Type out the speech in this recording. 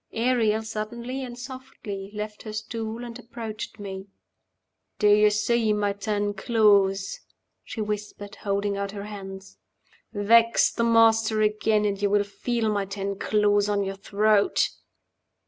Ariel suddenly and softly left her stool, and approached me. "Do you see my ten claws?" she whispered, holding out her hands. "Vex the Master again, and you will feel my ten claws on your throat!"